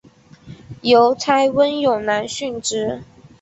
邮差温勇男殉职。